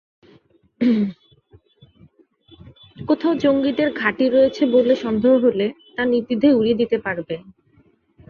কোথাও জঙ্গিদের ঘাঁটি রয়েছে বলে সন্দেহ হলে, তা নির্দ্বিধায় উড়িয়ে দিতে পারবে।